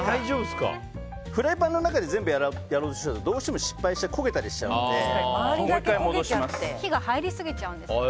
フライパンの中で全部やろうとするとどうしても失敗して焦げたりしちゃうんで火が入りすぎちゃうんですよね。